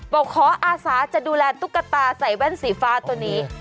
บอกขออาศาจะดูแลตุ๊กตาใส่แว่นสีฟ้าตัวนี้